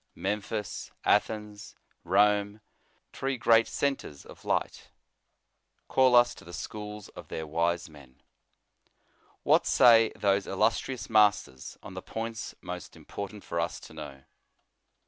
Memphis, Athens, Rome, three great cen 82 The Sign of the Cross. 83 tres of light, call us to the schools of their wise men. What say those illustrious masters on the points most important for us to know?